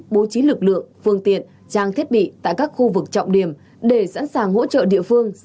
bố trí lực lượng phương tiện trang thiết bị tại các khu vực trọng điểm để sẵn sàng hỗ trợ địa phương